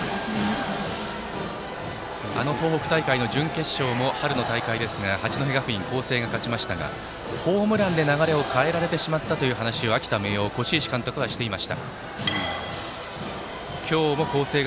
東北大会の準決勝も春の大会ですが八戸学院光星が勝ちましたがホームランで流れを変えられてしまったという話を秋田・明桜の輿石監督はしていました。